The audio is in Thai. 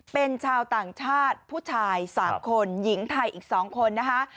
เป็นชาวต่างชาติผู้ชาย๓คนหญิงไทยอีก๒คนนะคะ